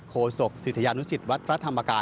โศกศิษยานุสิตวัดพระธรรมกาย